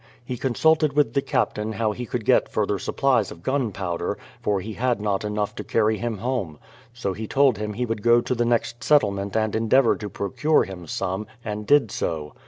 He consulted with the Captain how he could get further supplies of gun powder, for he had not enough to carry him home; so he told him he would go to the next settlement and endeavour to procure him some, and did so.